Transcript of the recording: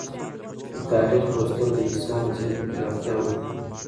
د تاریخ لوستل د انسان ذهن ته پراختیا ورکوي.